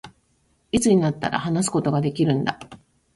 いつになったら、話すことができるんだ